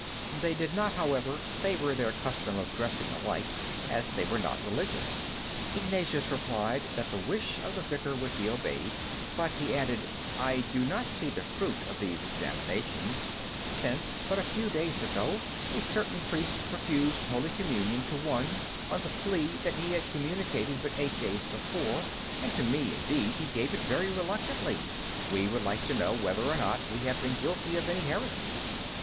They did not, however, favor their custom of dressing alike, as they were not Religious. Ignatius replied that the wish of the Vicar would be obeyed, but he added: "I do not see the fruit of these examinations, since but a few days ago a certain priest refused holy communion to one, on the plea that he had communicated but eight days before; and to me, indeed, he gave it very reluctantly. We would like to know whether or not we have been guilty of any heresy?"